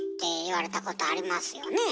言われたことありますよね？